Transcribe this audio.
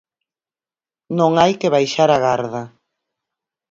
Non hai que baixar a garda.